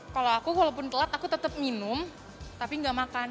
kalau aku walaupun telat aku tetap minum tapi nggak makan